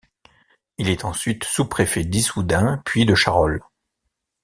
Il est ensuite sous-préfet d'Issoudun puis de Charolles.